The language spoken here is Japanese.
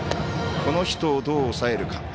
この人をどう抑えるか。